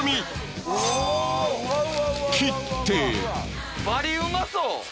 切ってバリうまそう！